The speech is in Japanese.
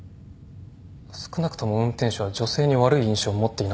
少なくとも運転手は女性に悪い印象を持っていなかった。